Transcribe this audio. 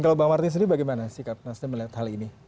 kalau bang martin sendiri bagaimana sikapnya melihat hal ini